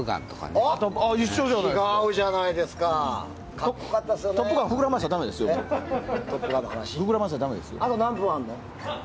あと何分あるの？